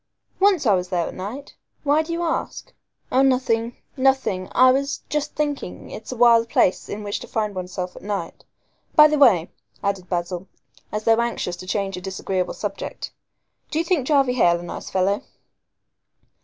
"Once I was there at night. Why do you ask?" "Oh, nothing nothing. I was just thinking it's a wild place in which to find one's self at night. By the way," added Basil, as though anxious to change a disagreeable subject, "do you think Jarvey Hale a nice fellow?"